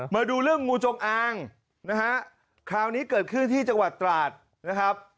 มาดูเรื่องงูจงอางนะฮะคราวนี้เกิดขึ้นที่จังหวัดตราดนะครับ